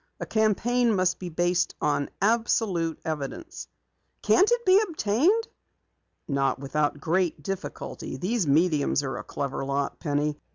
A campaign must be based on absolute evidence." "Can't it be obtained?" "Not without great difficulty. These mediums are a clever lot, Penny.